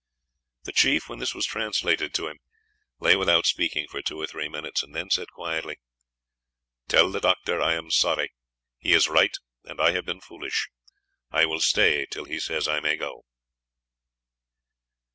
The chief, when this was translated to him, lay without speaking for two or three minutes, and then said quietly, "Tell the doctor I am sorry; he is right, and I have been foolish. I will stay till he says I may go."